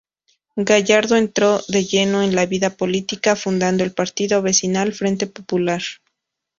Gallardo entró de lleno en la vida política fundando el partido vecinal Frente Popular.